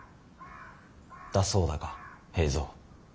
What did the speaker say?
だそうだが平三。